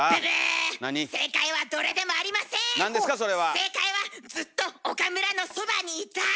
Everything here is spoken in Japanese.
正解はずっと岡村のそばにイタイ！